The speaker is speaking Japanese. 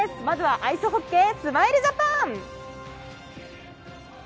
まずはアイスホッケースマイルジャパン！